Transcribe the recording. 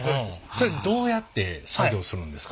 それどうやって作業するんですか？